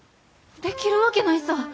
できるわけないさ。